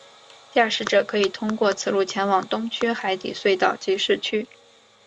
驾驶者可以通过此路前往东区海底隧道及市区。